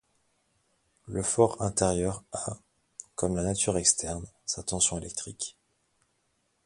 Le for intérieur a, comme la nature externe, sa tension électrique.